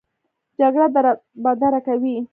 جګړه دربدره کوي